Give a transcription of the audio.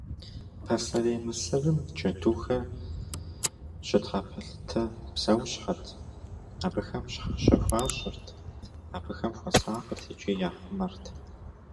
Пасэрей Мысырым джэдухэр щытхьэпэлъытэ псэущхьэт, абыхэм щхьэщэ хуащӏырт, абыхэм хуэсакъырт икӏи яхъумэрт.